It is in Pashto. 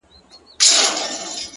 پخوا د كلي په گودر كي جـادو!